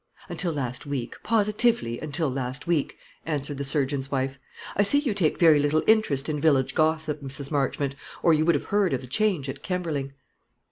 "Until last week, positively until last week," answered the surgeon's wife. "I see you take very little interest in village gossip, Mrs. Marchmont, or you would have heard of the change at Kemberling."